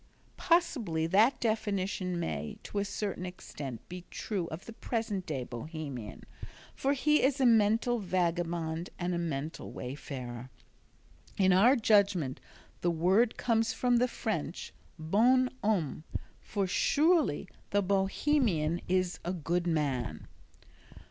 Possibly that definition may, to a certain extent, be true of the present day Bohemian, for he is a mental vagabond and a mental wayfarer. In our judgment the word comes from the French "Bon Homme," for surely the Bohemian is a "good man."